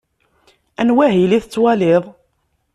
Anwa ahil i tettwaliḍ?